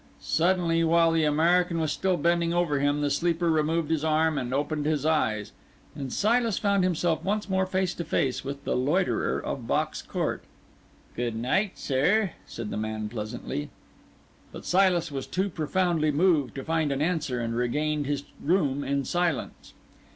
Suddenly, while the American was still bending over him, the sleeper removed his arm and opened his eyes, and Silas found himself once more face to face with the loiterer of Box Court. "Good night, sir," said the man, pleasantly. But Silas was too profoundly moved to find an answer, and regained his room in silence.